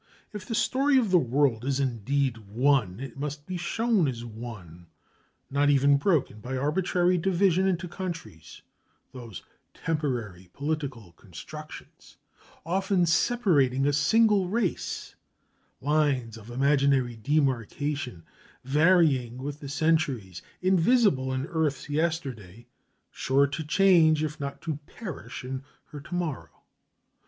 If the story of the world is indeed one, it must be shown as one, not even broken by arbitrary division into countries, those temporary political constructions, often separating a single race, lines of imaginary demarcation, varying with the centuries, invisible in earth's yesterday, sure to change if not to perish in her to morrow.